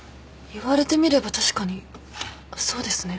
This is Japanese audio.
言われてみれば確かにそうですね。